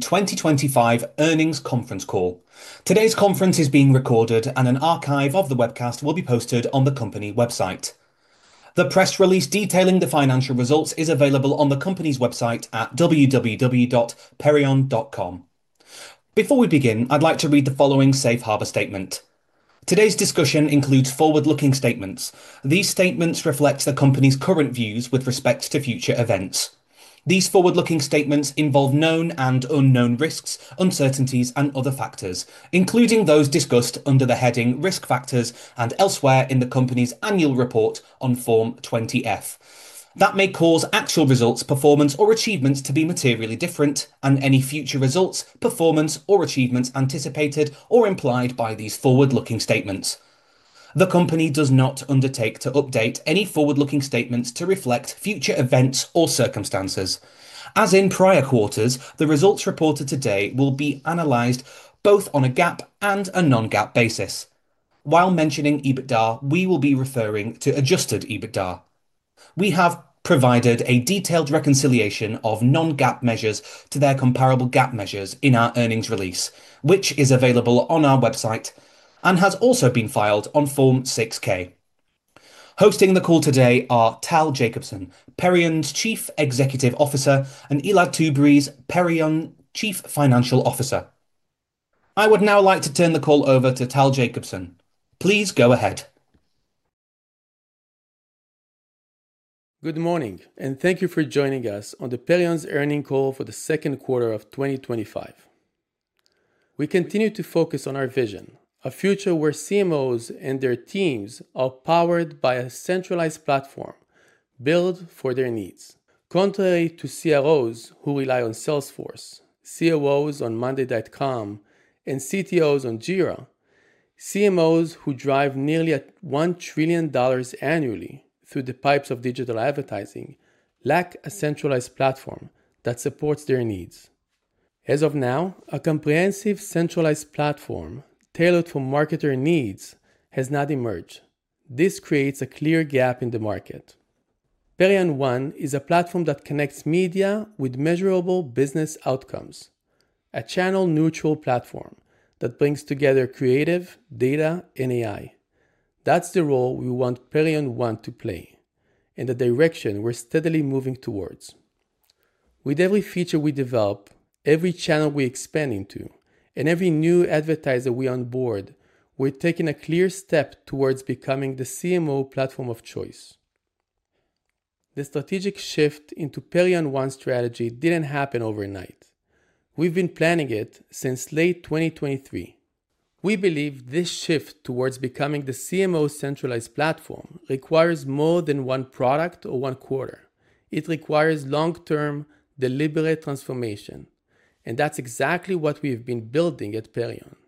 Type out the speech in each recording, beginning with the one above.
2025 Earnings Conference Call. Today's conference is being recorded, and an archive of the webcast will be posted on the company website. The press release detailing the financial results is available on the company's website at www.perion.com. Before we begin, I'd like to read the following safe harbor statement. Today's discussion includes forward-looking statements. These statements reflect the company's current views with respect to future events. These forward-looking statements involve known and unknown risks, uncertainties, and other factors, including those discussed under the heading Risk Factors and elsewhere in the company's annual report on Form 20-F, that may cause actual results, performance, or achievements to be materially different, and any future results, performance, or achievements anticipated or implied by these forward-looking statements. The company does not undertake to update any forward-looking statements to reflect future events or circumstances. As in prior quarters, the results reported today will be analyzed both on a GAAP and a non-GAAP basis. While mentioning EBITDA, we will be referring to adjusted EBITDA. We have provided a detailed reconciliation of non-GAAP measures to their comparable GAAP measures in our earnings release, which is available on our website and has also been filed on Form 6-K. Hosting the call today are Tal Jacobson, Perion's Chief Executive Officer, and Elad Tzubery, Perion's Chief Financial Officer. I would now like to turn the call over to Tal Jacobson. Please go ahead. Good morning, and thank you for joining us on Perion's Earnings Call for the Second Quarter of 2025. We continue to focus on our vision: a future where CMOs and their teams are powered by a centralized platform built for their needs. Contrary to CROs who rely on Salesforce, COOs on Monday.com, and CTO on Jira, Chief Marketing Officers who drive nearly $1 trillion annually through the pipes of digital advertising lack a centralized platform that supports their needs. As of now, a comprehensive centralized platform tailored for marketer needs has not emerged. This creates a clear gap in the market. Perion One is a platform that connects media with measurable business outcomes, a channel-agnostic platform that brings together creative, data, and AI. That's the role we want Perion One to play in the direction we're steadily moving towards. With every feature we develop, every channel we expand into, and every new advertiser we onboard, we're taking a clear step towards becoming the CMO platform of choice. The strategic shift into Perion One's strategy didn't happen overnight. We've been planning it since late 2023. We believe this shift towards becoming the CMO centralized platform requires more than one product or one quarter. It requires long-term, deliberate transformation. That's exactly what we've been building at Perion Network.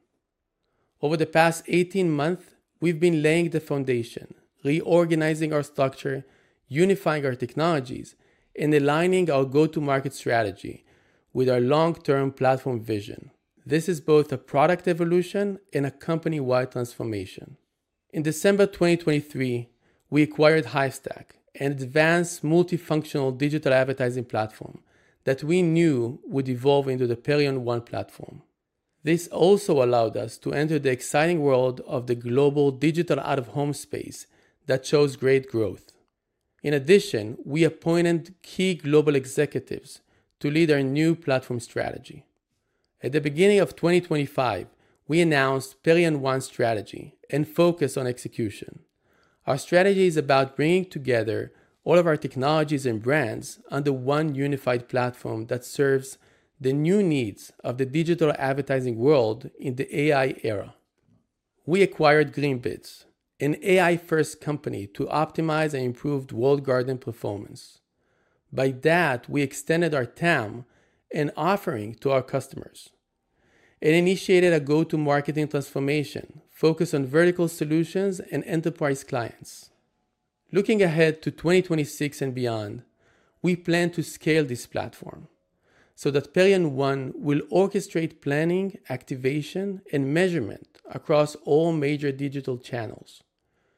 Over the past 18 months, we've been laying the foundation, reorganizing our structure, unifying our technologies, and aligning our go-to-market strategy with our long-term platform vision. This is both a product evolution and a company-wide transformation. In December 2023, we acquired Hivestack, an advanced, multifunctional digital advertising platform that we knew would evolve into the Perion One platform. This also allowed us to enter the exciting world of the global Digital Out-of-Home space that shows great growth. In addition, we appointed key global executives to lead our new platform strategy. At the beginning of 2025, we announced Perion One's strategy and focused on execution. Our strategy is about bringing together all of our technologies and brands under one unified platform that serves the new needs of the digital advertising world in the AI era. We acquired Greenbids, an AI-first company to optimize and improve the walled garden performance. By that, we extended our TAM and offering to our customers and initiated a go-to-market transformation focused on vertical solutions and enterprise clients. Looking ahead to 2026 and beyond, we plan to scale this platform so that Perion One will orchestrate planning, activation, and measurement across all major digital channels.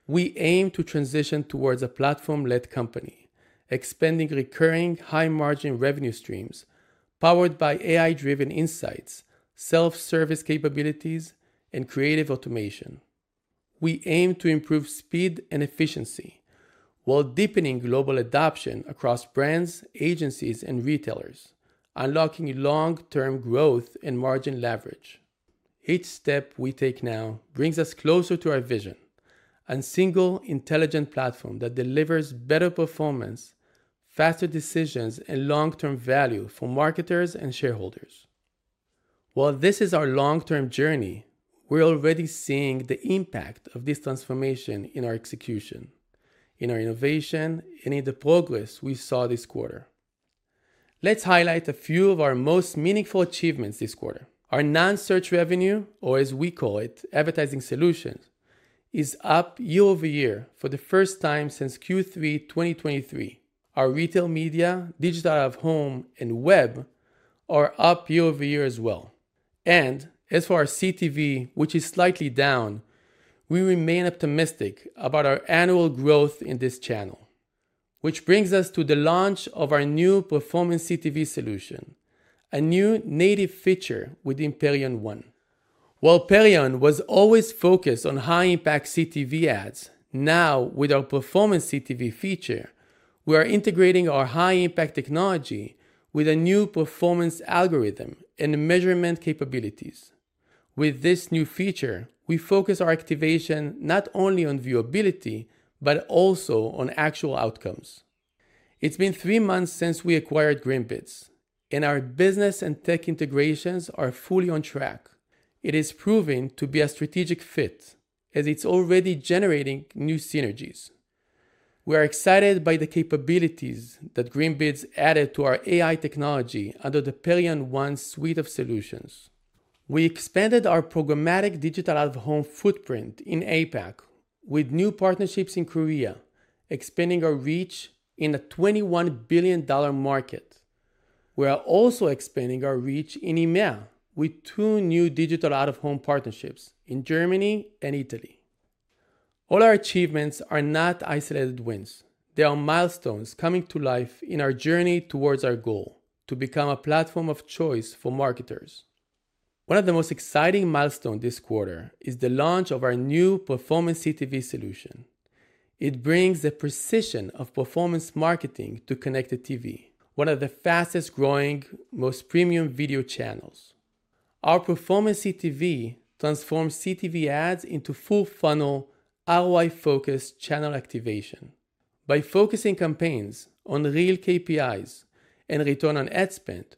We aim to transition towards a platform-led company, expanding recurring high-margin revenue streams powered by AI-driven insights, self-service capabilities, and creative automation. We aim to improve speed and efficiency while deepening global adoption across brands, agencies, and retailers, unlocking long-term growth and margin leverage. Each step we take now brings us closer to our vision: a single, intelligent platform that delivers better performance, faster decisions, and long-term value for marketers and shareholders. While this is our long-term journey, we're already seeing the impact of this transformation in our execution, in our innovation, and in the progress we saw this quarter. Let's highlight a few of our most meaningful achievements this quarter. Our non-search revenue, or as we call it, advertising solutions, is up year over year for the first time since Q3 2023. Our retail media, Digital Out-of-Home, and web are up year over year as well. As for our CTV, which is slightly down, we remain optimistic about our annual growth in this channel, which brings us to the launch of our new performance CTV solution, a new native feature within Perion One. While Perion was always focused on High Impact Advertising CTV ads, now with our performance CTV feature, we are integrating our high-impact technology with a new performance algorithm and measurement capabilities. With this new feature, we focus our activation not only on viewability but also on actual outcomes. It's been three months since we acquired Greenbids, and our business and tech integrations are fully on track. It is proving to be a strategic fit, as it's already generating new synergies. We are excited by the capabilities that Greenbids added to our AI technology under the Perion One suite of solutions. We expanded our programmatic Digital Out-of-Home footprint in APAC with new partnerships in Korea, expanding our reach in a $21 billion market. We are also expanding our reach in EMEA with two new Digital Out-of-Home partnerships in Germany and Italy. All our achievements are not isolated wins, they are milestones coming to life in our journey towards our goal to become a platform of choice for marketers. One of the most exciting milestones this quarter is the launch of our new performance CTV solution. It brings the precision of performance marketing to Connected TV, one of the fastest growing, most premium video channels. Our performance CTV transforms CTV ads into full-funnel, ROI-focused channel activation. By focusing campaigns on real KPIs and return on ad spend,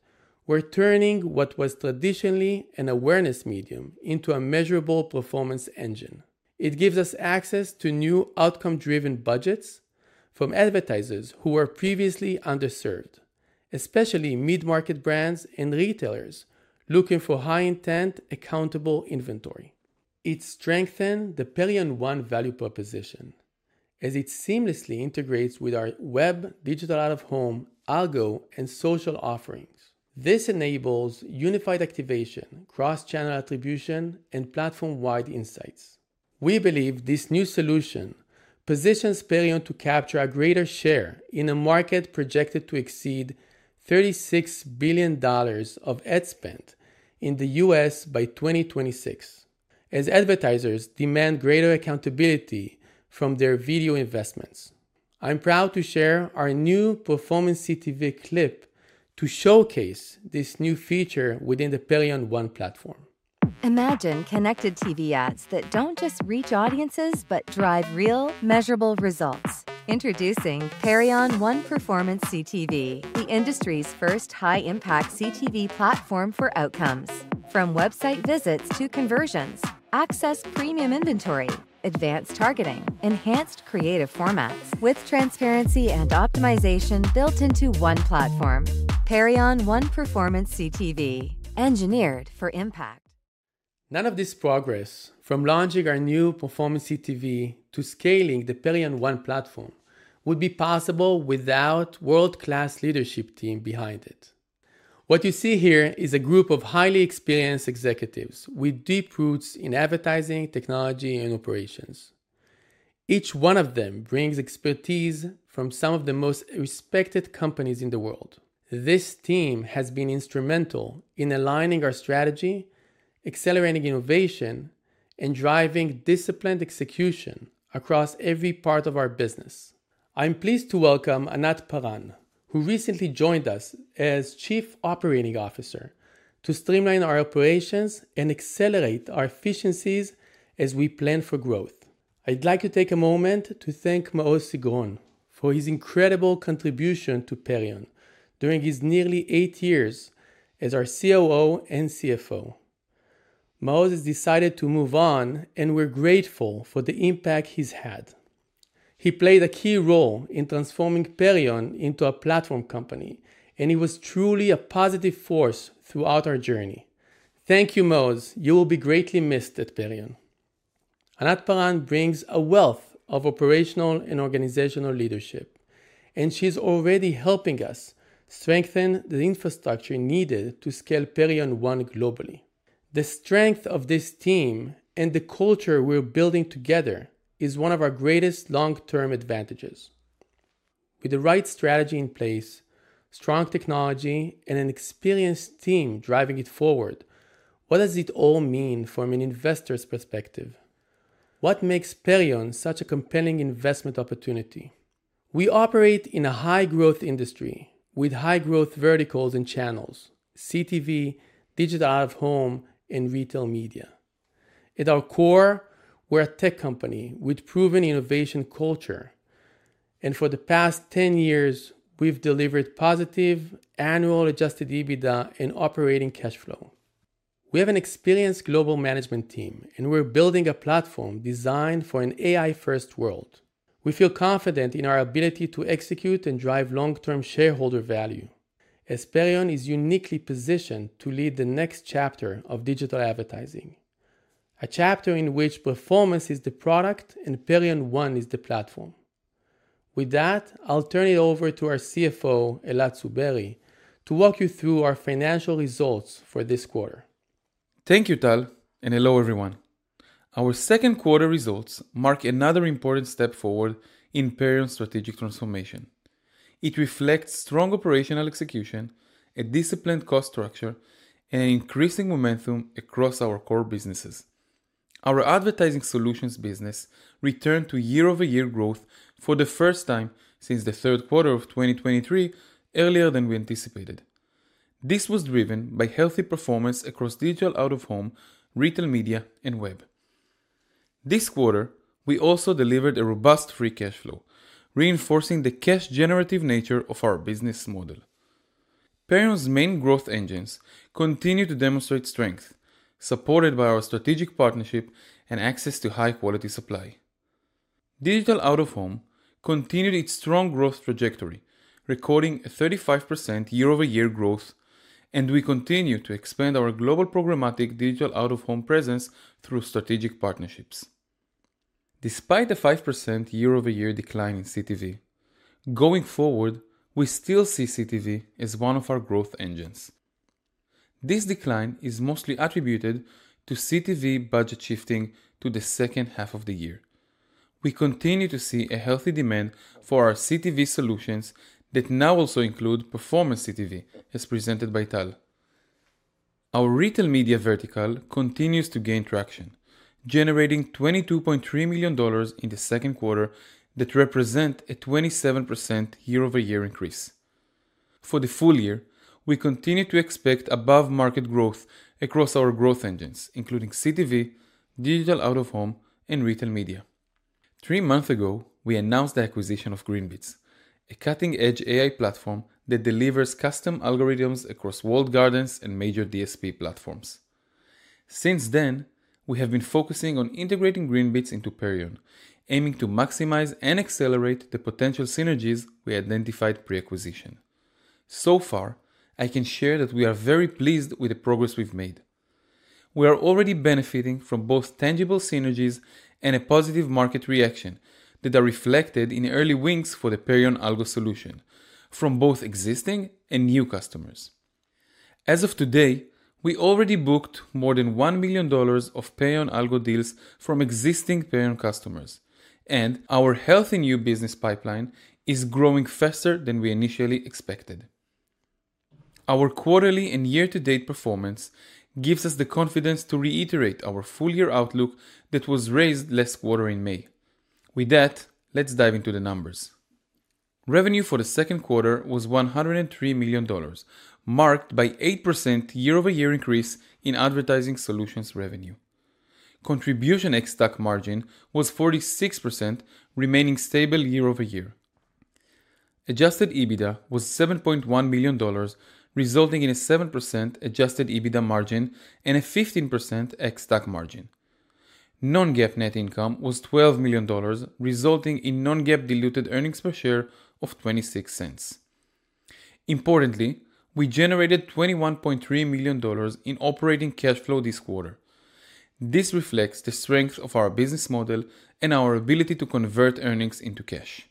we're turning what was traditionally an awareness medium into a measurable performance engine. It gives us access to new outcome-driven budgets from advertisers who were previously underserved, especially mid-market brands and retailers looking for high-intent, accountable inventory. It strengthened the Perion One value proposition, as it seamlessly integrates with our web, Digital Out-of Home, Perion Algo, and social offerings. This enables unified activation, cross-channel attribution, and platform-wide insights. We believe this new solution positions Perion to capture a greater share in a market projected to exceed $36 billion of ad spend in the U.S. by 2026, as advertisers demand greater accountability from their video investments. I'm proud to share our new performance CTV clip to showcase this new feature within the Perion One platform. Imagine Connected TV ads that don't just reach audiences but drive real, measurable results. Introducing Perion One Performance CTV, the industry's first high-impact CTV platform for outcomes. From website visits to conversions, access premium inventory, advanced targeting, enhanced creative formats, with transparency and optimization built into one platform. Perion One Performance CTV, engineered for impact. None of this progress, from launching our new performance CTV to scaling the Perion One platform, would be possible without a world-class leadership team behind it. What you see here is a group of highly experienced executives with deep roots in advertising, technology, and operations. Each one of them brings expertise from some of the most respected companies in the world. This team has been instrumental in aligning our strategy, accelerating innovation, and driving disciplined execution across every part of our business. I'm pleased to welcome Anat Pallad, who recently joined us as Chief Operating Officer, to streamline our operations and accelerate our efficiencies as we plan for growth. I'd like to take a moment to thank Maoz Sigron for his incredible contribution to Perion during his nearly eight years as our COO and CFO. Maoz has decided to move on, and we're grateful for the impact he's had. He played a key role in transforming Perion into a platform company, and he was truly a positive force throughout our journey. Thank you, Maoz. You will be greatly missed at Perion. Anat Pallad brings a wealth of operational and organizational leadership, and she's already helping us strengthen the infrastructure needed to scale Perion One globally. The strength of this team and the culture we're building together is one of our greatest long-term advantages. With the right strategy in place, strong technology, and an experienced team driving it forward, what does it all mean from an investor's perspective? What makes Perion such a compelling investment opportunity? We operate in a high-growth industry with high-growth verticals and channels: CTV, Digital Out-of-Home, and retail media. At our core, we're a tech company with proven innovation culture, and for the past 10 years, we've delivered positive annual adjusted EBITDA and operating cash flow. We have an experienced global management team, and we're building a platform designed for an AI-first world. We feel confident in our ability to execute and drive long-term shareholder value, as Perion is uniquely positioned to lead the next chapter of digital advertising. A chapter in which performance is the product, and Perion One is the platform. With that, I'll turn it over to our CFO, Elad Tzubery, to walk you through our financial results for this quarter. Thank you, Tal, and hello, everyone. Our second quarter results mark another important step forward in Perion's strategic transformation. It reflects strong operational execution, a disciplined cost structure, and increasing momentum across our core businesses. Our advertising solutions business returned to year-over-year growth for the first time since the third quarter of 2023, earlier than we anticipated. This was driven by healthy performance across Digital Out-of-Home, retail media, and web. This quarter, we also delivered a robust free cash flow, reinforcing the cash-generative nature of our business model. Perion Network's main growth engines continue to demonstrate strength, supported by our strategic partnership and access to high-quality supply. Digital Out-of-Home continued its strong growth trajectory, recording a 35% year-over-year growth, and we continue to expand our global programmatic Digital Out-of-Home presence through strategic partnerships. Despite a 5% year-over-year decline in CTV, going forward, we still see CTV as one of our growth engines. This decline is mostly attributed to CTV budget shifting to the second half of the year. We continue to see a healthy demand for our CTV solutions that now also include performance CTV, as presented by Tal. Our retail media vertical continues to gain traction, generating $22.3 million in the second quarter that represents a 27% year-over-year increase. For the full year, we continue to expect above-market growth across our growth engines, including CTV, Digital Out-of-Home, and retail media. Three months ago, we announced the acquisition of Greenbids, a cutting-edge AI platform that delivers custom algorithms across walled gardens and major DSP platforms. Since then, we have been focusing on integrating Greenbids into Perion, aiming to maximize and accelerate the potential synergies we identified pre-acquisition. I can share that we are very pleased with the progress we've made. We are already benefiting from both tangible synergies and a positive market reaction that are reflected in early wins for the Perion Algo solution from both existing and new customers. As of today, we already booked more than $1 million of Perion Algo deals from existing Perion Network customers, and our healthy new business pipeline is growing faster than we initially expected. Our quarterly and year-to-date performance gives us the confidence to reiterate our full-year outlook that was raised last quarter in May. With that, let's dive into the numbers. Revenue for the second quarter was $103 million, marked by an 8% year-over-year increase in advertising solutions revenue. Contribution ex-stack margin was 46%, remaining stable year-over-year. Adjusted EBITDA was $7.1 million, resulting in a 7% adjusted EBITDA margin and a 15% ex-stack margin. Non-GAAP net income was $12 million, resulting in non-GAAP diluted earnings per share of $0.26. Importantly, we generated $21.3 million in operating cash flow this quarter. This reflects the strength of our business model and our ability to convert earnings into cash.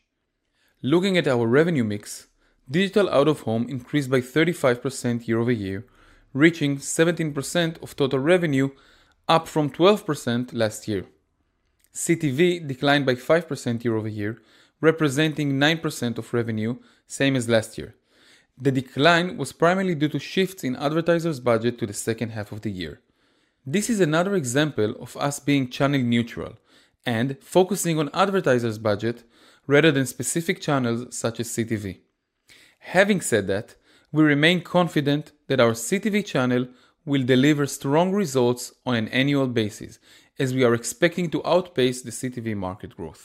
Looking at our revenue mix, Digital Out-of-Home increased by 35% year-over-year, reaching 17% of total revenue, up from 12% last year. CTV declined by 5% year-over-year, representing 9% of revenue, same as last year. The decline was primarily due to shifts in advertisers' budget to the second half of the year. This is another example of us being channel-agnostic and focusing on advertisers' budget rather than specific channels such as CTV. Having said that, we remain confident that our CTV channel will deliver strong results on an annual basis, as we are expecting to outpace the CTV market growth.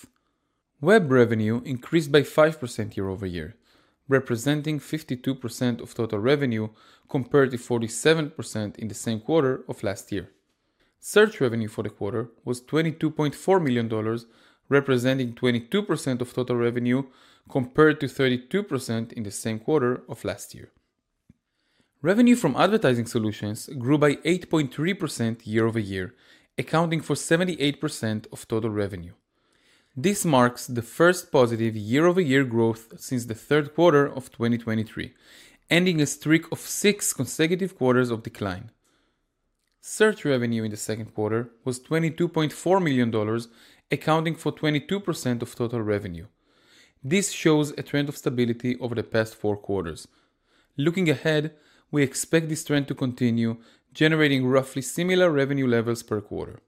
Web revenue increased by 5% year-over-year, representing 52% of total revenue compared to 47% in the same quarter of last year. Search revenue for the quarter was $22.4 million, representing 22% of total revenue compared to 32% in the same quarter of last year. Revenue from advertising solutions grew by 8.3% year-over-year, accounting for 78% of total revenue. This marks the first positive year-over-year growth since the third quarter of 2023, ending a streak of six consecutive quarters of decline. Search revenue in the second quarter was $22.4 million, accounting for 22% of total revenue. This shows a trend of stability over the past four quarters. Looking ahead, we expect this trend to continue, generating roughly similar revenue levels per quarter.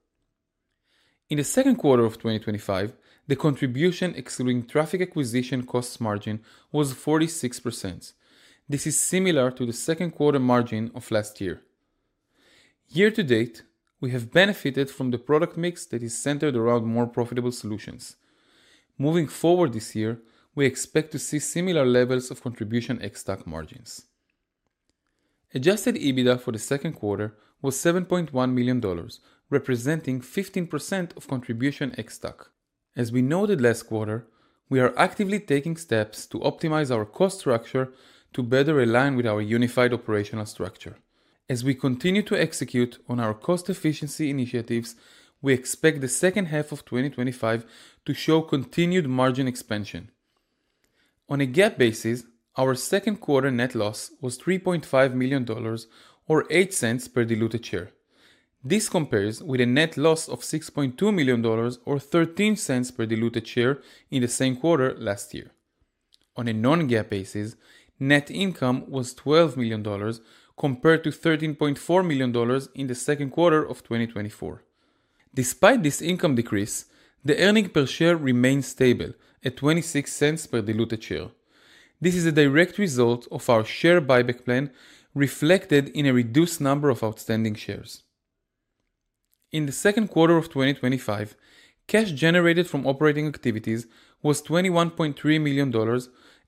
In the second quarter of 2025, the contribution exceeding traffic acquisition cost margin was 46%. This is similar to the second quarter margin of last year. Year to date, we have benefited from the product mix that is centered around more profitable solutions. Moving forward this year, we expect to see similar levels of contribution ex-stack margins. Adjusted EBITDA for the second quarter was $7.1 million, representing 15% of contribution ex-stack. As we noted last quarter, we are actively taking steps to optimize our cost structure to better align with our unified operational structure. As we continue to execute on our cost efficiency initiatives, we expect the second half of 2025 to show continued margin expansion. On a GAAP basis, our second quarter net loss was $3.5 million, or $0.08 per diluted share. This compares with a net loss of $6.2 million, or $0.13 per diluted share in the same quarter last year. On a non-GAAP basis, net income was $12 million compared to $13.4 million in the second quarter of 2024. Despite this income decrease, the earnings per share remains stable at $0.26 per diluted share. This is a direct result of our share buyback program, reflected in a reduced number of outstanding shares. In the second quarter of 2025, cash generated from operating activities was $21.3 million,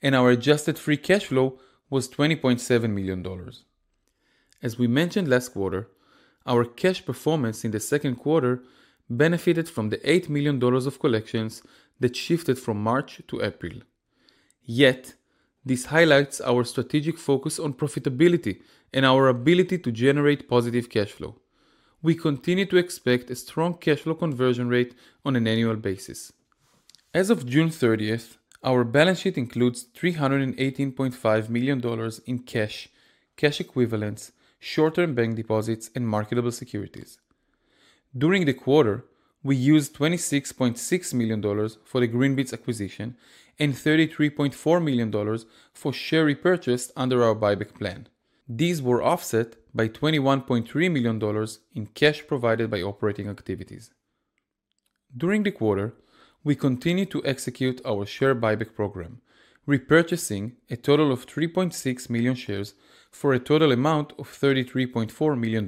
and our adjusted free cash flow was $20.7 million. As we mentioned last quarter, our cash performance in the second quarter benefited from the $8 million of collections that shifted from March to April. Yet, this highlights our strategic focus on profitability and our ability to generate positive cash flow. We continue to expect a strong cash flow conversion rate on an annual basis. As of June 30, our balance sheet includes $318.5 million in cash, cash equivalents, short-term bank deposits, and marketable securities. During the quarter, we used $26.6 million for the Greenbids acquisition and $33.4 million for share repurchase under our buyback program. These were offset by $21.3 million in cash provided by operating activities. During the quarter, we continued to execute our share buyback program, repurchasing a total of 3.6 million shares for a total amount of $33.4 million.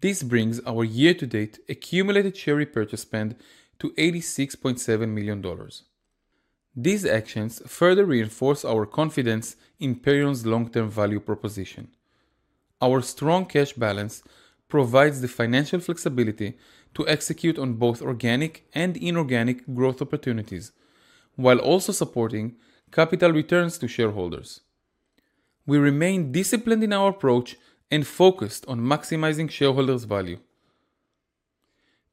This brings our year-to-date accumulated share repurchase spend to $86.7 million. These actions further reinforce our confidence in Perion's long-term value proposition. Our strong cash balance provides the financial flexibility to execute on both organic and inorganic growth opportunities, while also supporting capital returns to shareholders. We remain disciplined in our approach and focused on maximizing shareholders' value.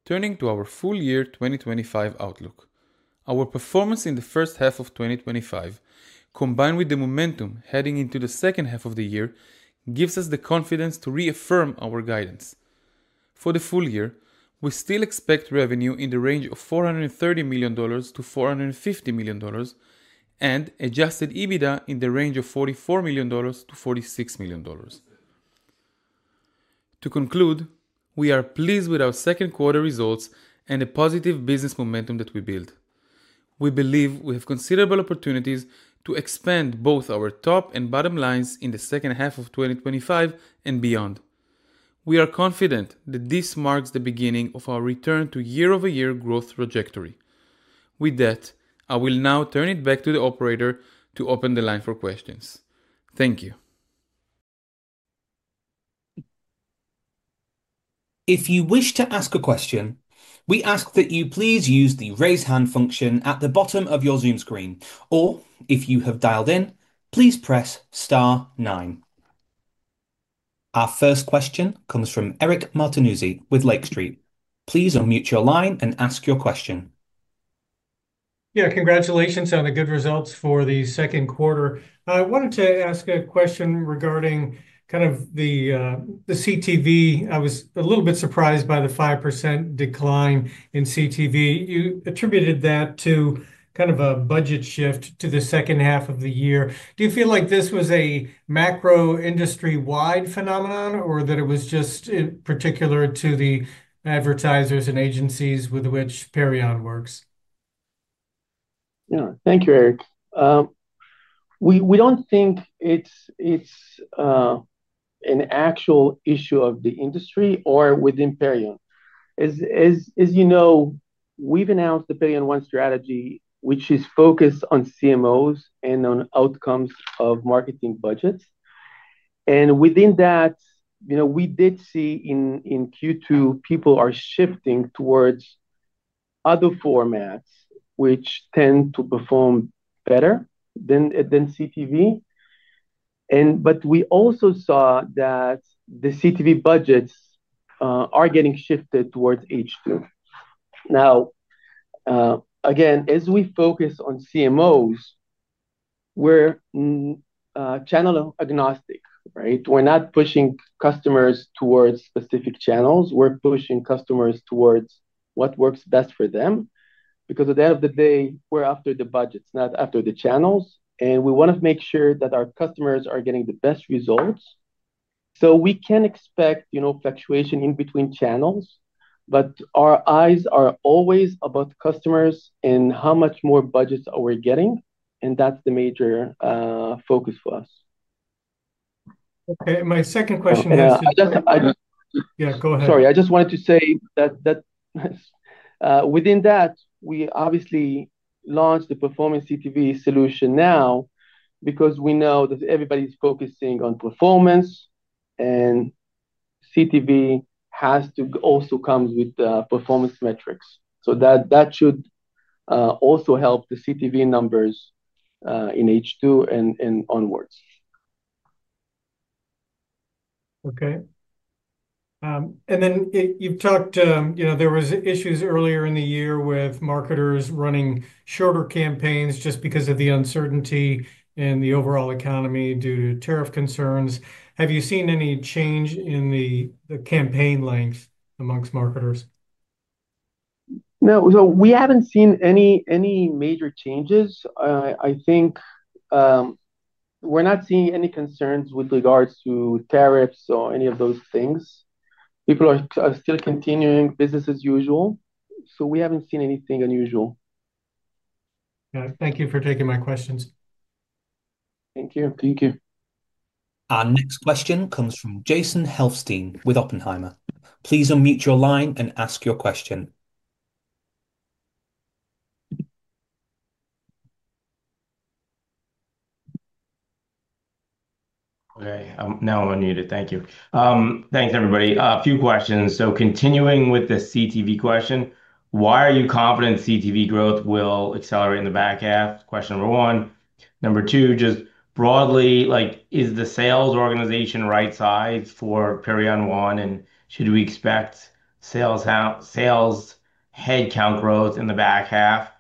Turning to our full-year 2025 outlook, our performance in the first half of 2025, combined with the momentum heading into the second half of the year, gives us the confidence to reaffirm our guidance. For the full year, we still expect revenue in the range of $430 million-$450 million, and adjusted EBITDA in the range of $44 million-$46 million. To conclude, we are pleased with our second quarter results and the positive business momentum that we built. We believe we have considerable opportunities to expand both our top and bottom lines in the second half of 2025 and beyond. We are confident that this marks the beginning of our return to year-over-year growth trajectory. With that, I will now turn it back to the operator to open the line for questions. Thank you. If you wish to ask a question, we ask that you please use the raise hand function at the bottom of your Zoom screen, or if you have dialed in, please press star nine. Our first question comes from Eric Martinuzzi with Lake Street. Please unmute your line and ask your question. Yeah, congratulations on the good results for the second quarter. I wanted to ask a question regarding kind of the CTV. I was a little bit surprised by the 5% decline in CTV. You attributed that to kind of a budget shift to the second half of the year. Do you feel like this was a macro industry-wide phenomenon or that it was just particular to the advertisers and agencies with which Perion works? Yeah, thank you, Eric. We don't think it's an actual issue of the industry or within Perion. As you know, we've announced the Perion One strategy, which is focused on CMOs and on outcomes of marketing budgets. Within that, you know, we did see in Q2 people are shifting towards other formats, which tend to perform better than CTV. We also saw that the CTV budgets are getting shifted towards H2. Now, again, as we focus on CMOs, we're channel-agnostic. We're not pushing customers towards specific channels. We're pushing customers towards what works best for them. Because at the end of the day, we're after the budgets, not after the channels. We want to make sure that our customers are getting the best results. We can expect fluctuation in between channels, but our eyes are always about customers and how much more budgets are we getting. That's the major focus for us. Okay, my second question is, go ahead. I just wanted to say that within that, we obviously launched the performance CTV solution now because we know that everybody's focusing on performance, and CTV has to also come with performance metrics. That should also help the CTV numbers in H2 and onwards. Okay. You've talked, you know, there were issues earlier in the year with marketers running shorter campaigns just because of the uncertainty in the overall economy due to tariff concerns. Have you seen any change in the campaign length amongst marketers? No, we haven't seen any major changes. I think we're not seeing any concerns with regards to tariffs or any of those things. People are still continuing business as usual. We haven't seen anything unusual. Thank you for taking my questions. Thank you. Thank you. Our next question comes from Jason Helfstein with Oppenheimer. Please unmute your line and ask your question. Okay, now I'm unmuted. Thank you. Thanks, everybody. A few questions. Continuing with the CTV question, why are you confident CTV growth will accelerate in the back half? Question number one. Number two, just broadly, is the sales organization right-sized for Perion One, and should we expect sales headcount growth in the back half?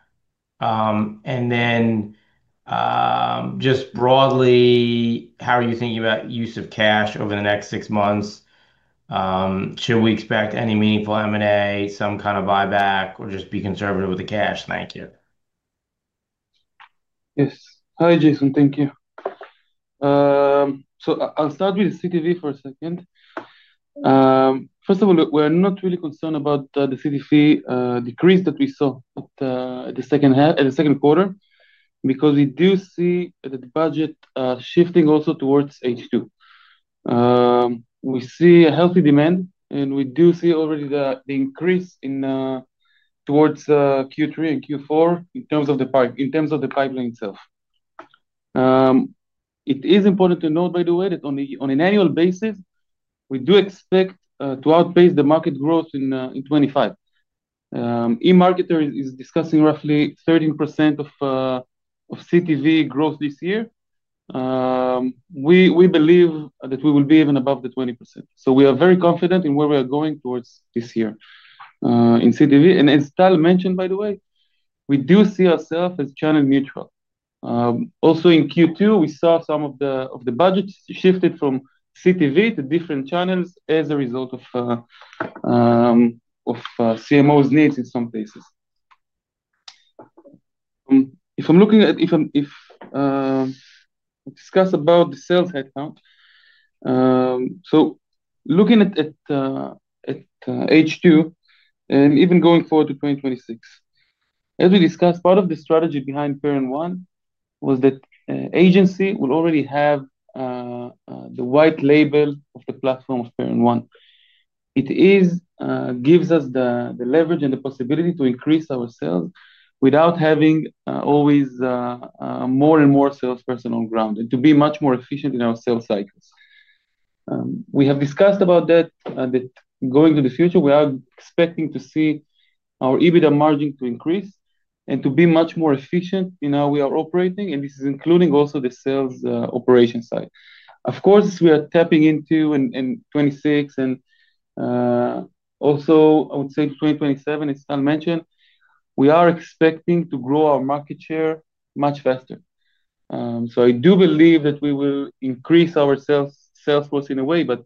Just broadly, how are you thinking about use of cash over the next six months? Should we expect any meaningful M&A, some kind of buyback, or just be conservative with the cash? Thank you. Yes. Hi, Jason. Thank you. I'll start with CTV for a second. First of all, we're not really concerned about the CTV decrease that we saw at the second half, at the second quarter, because we do see the budget shifting also towards H2. We see a healthy demand, and we do see already the increase towards Q3 and Q4 in terms of the pipeline itself. It is important to note, by the way, that on an annual basis, we do expect to outpace the market growth in 2025. E-marketing is discussing roughly 13% of CTV growth this year. We believe that we will be even above the 20%. We are very confident in where we are going towards this year in CTV. As Tal mentioned, by the way, we do see ourselves as channel-agnostic. Also in Q2, we saw some of the budgets shifted from CTV to different channels as a result of Chief Marketing Officers' needs in some cases. If I discuss about the sales headcount, looking at H2 and even going forward to 2026, as we discussed, part of the strategy behind Perion One was that the agency will already have the white label of the platform of Perion One. It gives us the leverage and the possibility to increase our sales without having always more and more salespeople on ground and to be much more efficient in our sales cycles. We have discussed that going to the future, we are expecting to see our adjusted EBITDA margin to increase and to be much more efficient in how we are operating, and this is including also the sales operation side. Of course, as we are tapping into 2026, and also I would say to 2027, as Tal mentioned, we are expecting to grow our market share much faster. I do believe that we will increase our salesforce in a way, but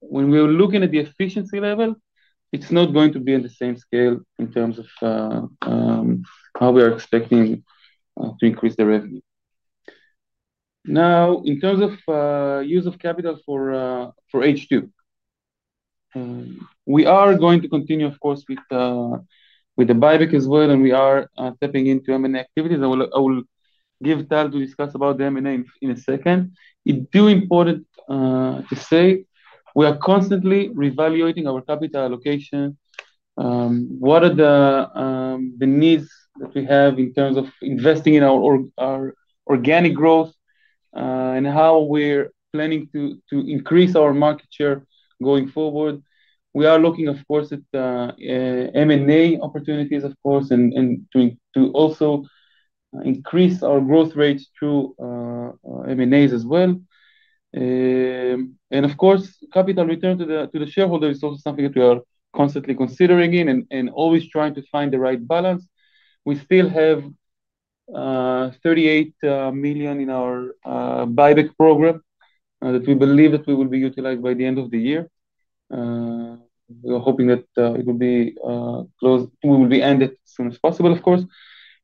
when we're looking at the efficiency level, it's not going to be on the same scale in terms of how we are expecting to increase the revenue. In terms of use of capital for H2, we are going to continue, of course, with the share buyback program as well, and we are tapping into M&A activities. I will give Tal to discuss the M&A in a second. It is important to say we are constantly reevaluating our capital allocation. What are the needs that we have in terms of investing in our organic growth and how we're planning to increase our market share going forward? We are looking, of course, at M&A opportunities, and to also increase our growth rates through M&As as well. Of course, capital return to the shareholder is also something that we are constantly considering and always trying to find the right balance. We still have $38 million in our buyback program that we believe we will be utilizing by the end of the year. We are hoping that it will be closed, we will be ended as soon as possible, of course.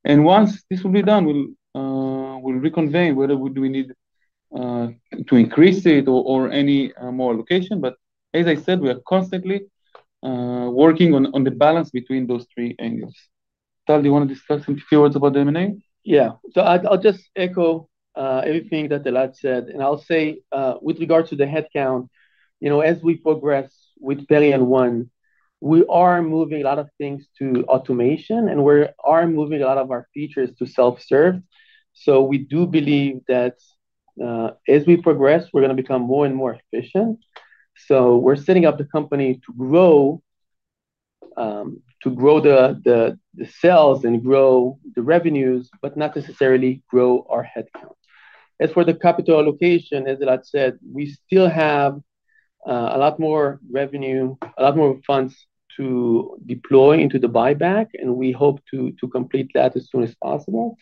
Once this will be done, we'll reconvey whether we need to increase it or any more allocation. As I said, we are constantly working on the balance between those three angles. Tal, do you want to discuss in a few words about the M&A? Yeah, I'll just echo everything that Elad said. I'll say with regard to the headcount, as we progress with Perion One, we are moving a lot of things to automation, and we are moving a lot of our features to self-serve. We do believe that as we progress, we're going to become more and more efficient. We're setting up the company to grow the sales and grow the revenues, but not necessarily grow our headcount. As for the capital allocation, as Elad said, we still have a lot more revenue, a lot more funds to deploy into the buyback, and we hope to complete that as soon as possible.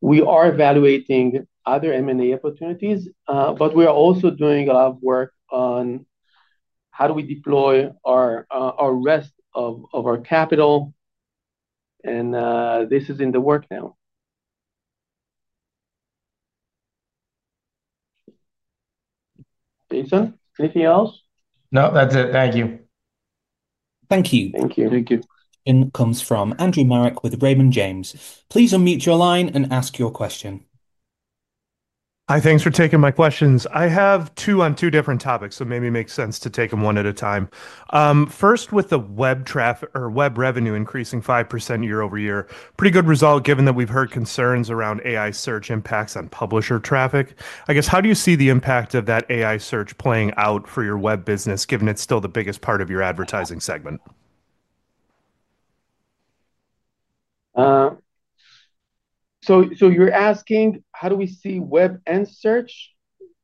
We are evaluating other M&A opportunities, but we are also doing a lot of work on how we deploy the rest of our capital, and this is in the work now. Jason, anything else? No, that's it. Thank you. Thank you. Thank you. Thank you. Comes from Andrew Marok with the Braden James. Please unmute your line and ask your question. Hi, thanks for taking my questions. I have two on two different topics, so maybe it makes sense to take them one at a time. First, with the web traffic or web revenue increasing 5% year-over-year, pretty good result given that we've heard concerns around AI search impacts on publisher traffic. I guess, how do you see the impact of that AI search playing out for your web business, given it's still the biggest part of your advertising segment? You're asking how do we see web and search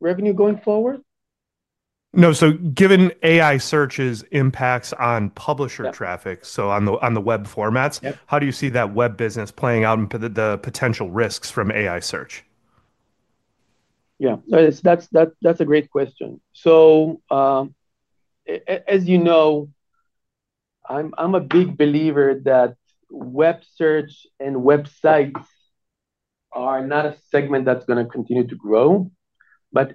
revenue going forward? Given AI search's impacts on publisher traffic, on the web formats, how do you see that web business playing out and the potential risks from AI search? Yeah, that's a great question. As you know, I'm a big believer that web search and websites are not a segment that's going to continue to grow.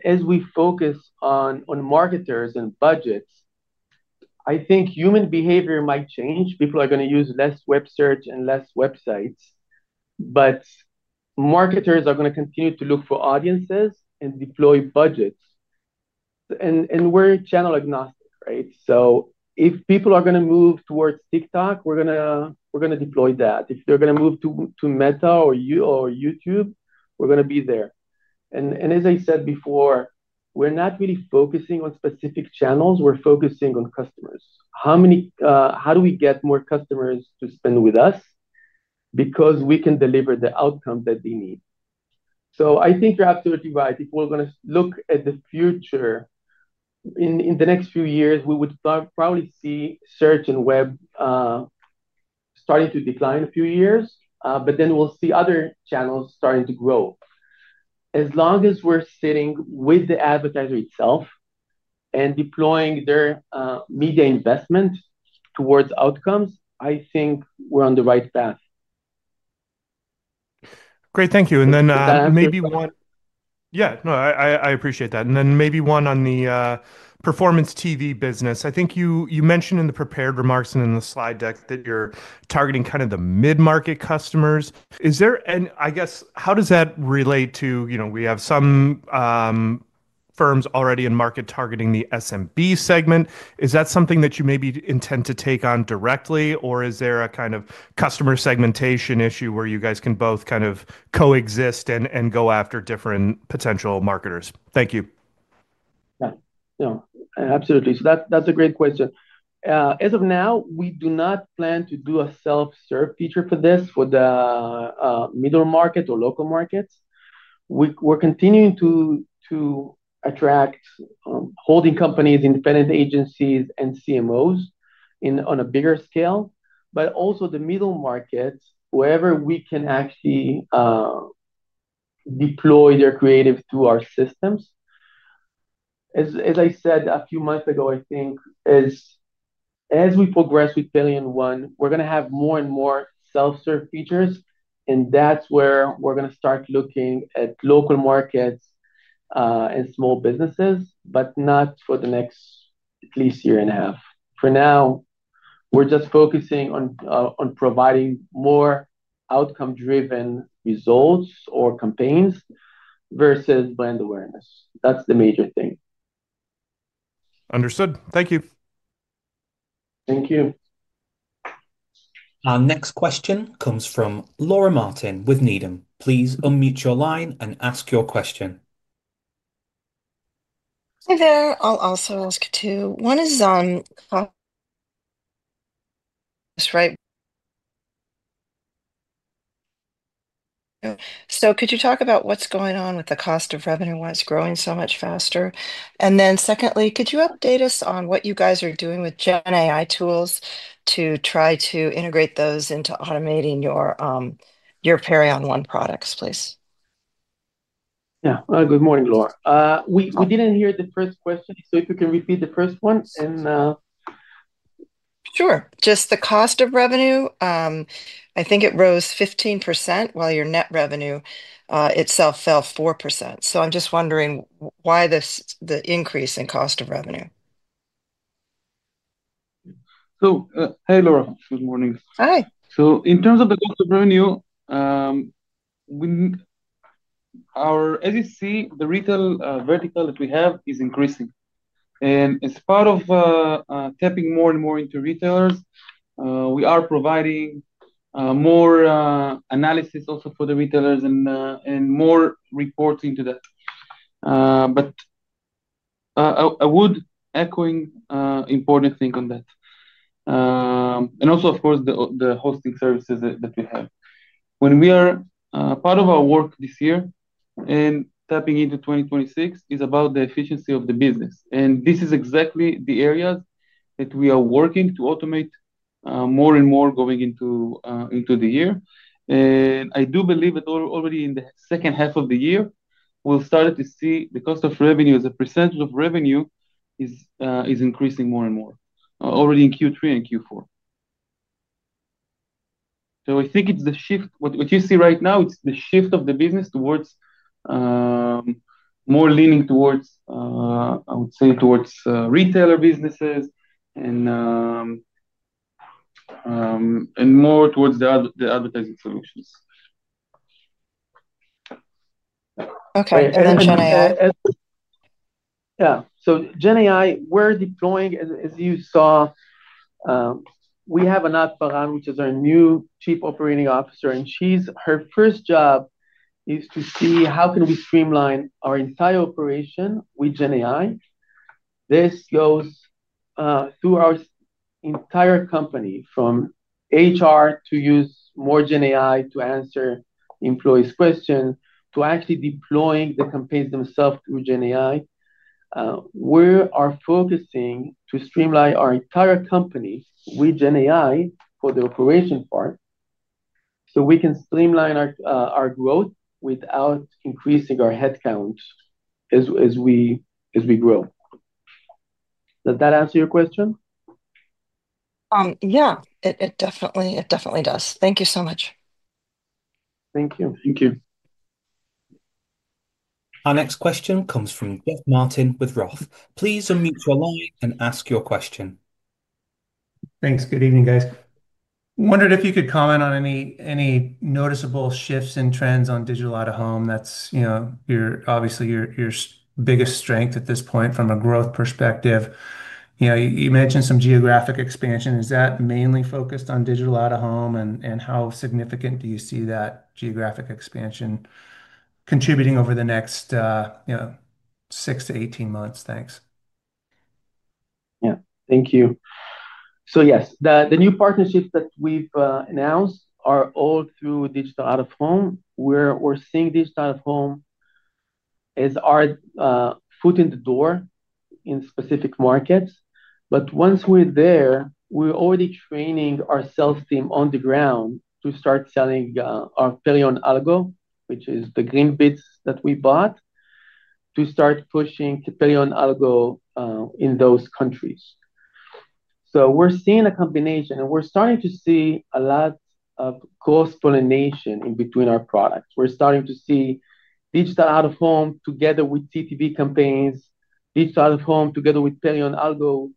As we focus on marketers and budgets, I think human behavior might change. People are going to use less web search and less websites. Marketers are going to continue to look for audiences and deploy budgets. We're channel-agnostic, right? If people are going to move towards TikTok, we're going to deploy that. If they're going to move to Meta or YouTube, we're going to be there. As I said before, we're not really focusing on specific channels. We're focusing on customers. How many? How do we get more customers to spend with us? Because we can deliver the outcome that they need. I think you're absolutely right. If we're going to look at the future, in the next few years, we would probably see search and web starting to decline a few years, but then we'll see other channels starting to grow. As long as we're sitting with the advertiser itself and deploying their media investment towards outcomes, I think we're on the right path. Great, thank you. Maybe one on the performance TV business. I think you mentioned in the prepared remarks and in the slide deck that you're targeting kind of the mid-market customers. How does that relate to, you know, we have some firms already in market targeting the SMB segment. Is that something that you maybe intend to take on directly, or is there a kind of customer segmentation issue where you guys can both kind of coexist and go after different potential marketers? Thank you. Absolutely. That's a great question. As of now, we do not plan to do a self-serve feature for this, for the middle market or local markets. We're continuing to attract holding companies, independent agencies, and CMOs on a bigger scale, but also the middle markets, wherever we can actually deploy their creative to our systems. As I said a few months ago, I think as we progress with Perion One, we're going to have more and more self-serve features, and that's where we're going to start looking at local markets and small businesses, but not for the next at least year and a half. For now, we're just focusing on providing more outcome-driven results or campaigns versus brand awareness. That's the major thing. Understood. Thank you. Thank you. Our next question comes from Laura Martin with Needham. Please unmute your line and ask your question. I'll also ask it too. One is on, just right. Could you talk about what's going on with the cost of revenue? Why is it growing so much faster? Secondly, could you update us on what you guys are doing with Gen AI tools to try to integrate those into automating your Perion One products, please? Yeah, good morning, Laura. We didn't hear the first question, so if you can repeat the first one. Sure. Just the cost of revenue. I think it rose 15% while your net revenue itself fell 4%. I'm just wondering why the increase in cost of revenue. Hey, Laura. Good morning. Hi. In terms of the cost of revenue, as you see, the retail vertical that we have is increasing. As part of tapping more and more into retailers, we are providing more analysis also for the retailers and more reports into that. I would echo an important thing on that. Also, of course, the hosting services that we have. When we are part of our work this year and tapping into 2026, it is about the efficiency of the business. This is exactly the area that we are working to automate more and more going into the year. I do believe that already in the second half of the year, we'll start to see the cost of revenue as a percentage of revenue is increasing more and more, already in Q3 and Q4. I think it's the shift. What you see right now, it's the shift of the business towards more leaning towards, I would say, towards retailer businesses and more towards the advertising solutions. Okay. Gen AI. Yeah. Gen AI, we're deploying, as you saw, we have Anat Pallad, which is our new Chief Operating Officer, and her first job is to see how can we streamline our entire operation with Gen AI. This goes through our entire company, from HR to use more Gen AI to answer employees' questions, to actually deploying the campaigns themselves through Gen AI. We are focusing to streamline our entire companies with Gen AI for the operation part so we can streamline our growth without increasing our headcount as we grow. Does that answer your question? Yeah, it definitely does. Thank you so much. Thank you. Thank you. Our next question comes from Jeff Martin with Roth. Please unmute your line and ask your question. Thanks. Good evening, guys. I wondered if you could comment on any noticeable shifts and trends on Digital Out of Home. That's, you know, obviously your biggest strength at this point from a growth perspective. You mentioned some geographic expansion. Is that mainly focused on Digital Out-of-Home, and how significant do you see that geographic expansion contributing over the next 6 to 18 months? Thanks. Yeah, thank you. Yes, the new partnerships that we've announced are all through Digital Out-of-Home. We're seeing Digital Out-of-Home as our foot in the door in specific markets. Once we're there, we're already training our sales team on the ground to start selling our Perion Algo, which is the Greenbids that we bought, to start pushing to Perion Algo in those countries. We're seeing a combination, and we're starting to see a lot of cross-pollination in between our products. We're starting to see Digital Out-of-Home together with CTV campaigns, Digital Out of Home together with Perion Algo.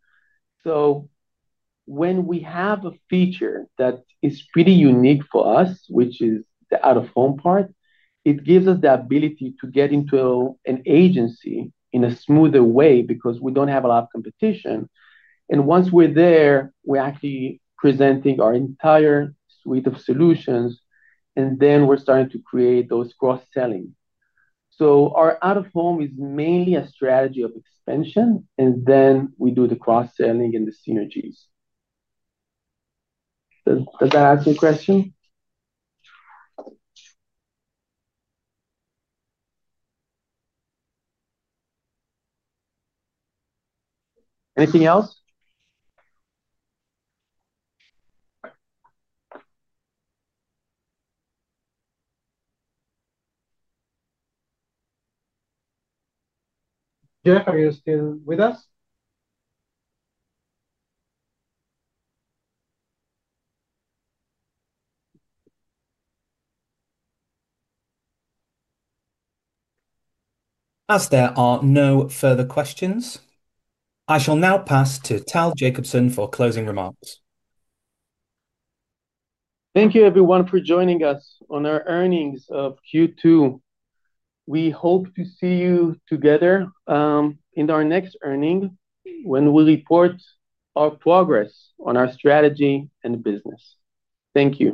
We have a feature that is pretty unique for us, which is the Out-of-Home part. It gives us the ability to get into an agency in a smoother way because we don't have a lot of competition. Once we're there, we're actually presenting our entire suite of solutions, and then we're starting to create those cross-selling. Our Out-of-Home is mainly a strategy of expansion, and then we do the cross-selling and the synergies. Does that answer your question? Anything else? Eric, are you still with us? As there are no further questions, I shall now pass to Tal Jacobson for closing remarks. Thank you, everyone, for joining us on our earnings of Q2. We hope to see you together in our next earning when we report our progress on our strategy and business. Thank you.